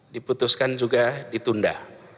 diputuskan juga ditunda